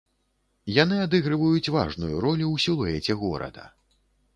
Яны адыгрываюць важную ролю ў сілуэце горада.